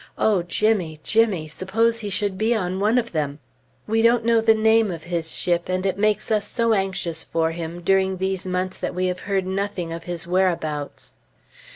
O Jimmy! Jimmy! suppose he should be on one of them? We don't know the name of his ship, and it makes us so anxious for him, during these months that we have heard nothing of his whereabouts.